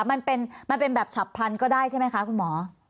มันเป็นแบบฉับพลันก็ได้ใช่ไหมคะคุณหมอ